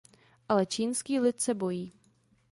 Ale čínský lid se bojí.